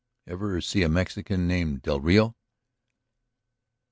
"Ever see a Mexican named del Rio?"